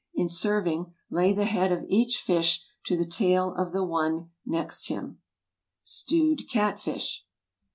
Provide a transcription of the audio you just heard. In serving, lay the head of each fish to the tail of the one next him. STEWED CAT FISH.